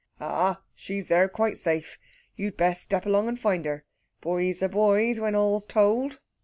"Ah, she's there, quite safe. You'd best step along and find her. Boys are boys, when all's told."